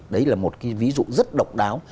đấy là một cái ví dụ rất độc đáo